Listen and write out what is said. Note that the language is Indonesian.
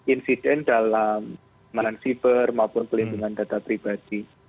insiden dalam penanganan siber maupun pelindungan data pribadi